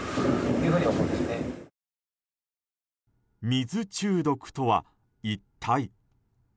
水中毒とは、一体？